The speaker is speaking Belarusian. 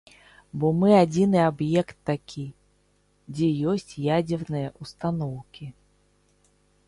Бо мы адзіны аб'ект такі, дзе ёсць ядзерныя ўстаноўкі.